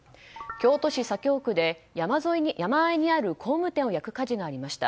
京都市左京区で山あいにある工務店を焼く火事がありました。